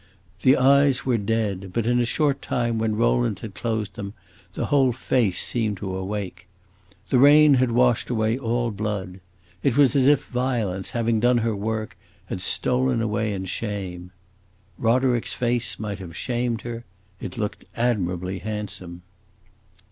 The eyes were dead, but in a short time, when Rowland had closed them, the whole face seemed to awake. The rain had washed away all blood; it was as if Violence, having done her work, had stolen away in shame. Roderick's face might have shamed her; it looked admirably handsome.